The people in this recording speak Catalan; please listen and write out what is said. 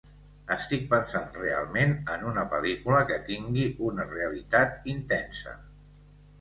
Estic pensant realment en una pel·lícula que tingui una realitat intensa.